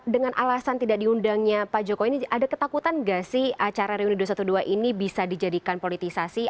dengan alasan tidak diundangnya pak jokowi ini ada ketakutan nggak sih acara reuni dua ratus dua belas ini bisa dijadikan politisasi